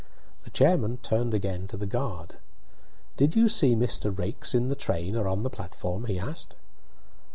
The chairman turned again to the guard. "Did you see Mr. Raikes in the train or on the platform?" he asked.